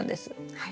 はい。